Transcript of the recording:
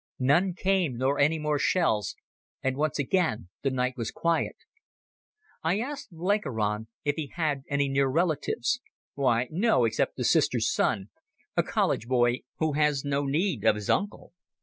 None came, nor any more shells, and once again the night was quiet. I asked Blenkiron if he had any near relatives. "Why, no, except a sister's son, a college boy who has no need of his uncle.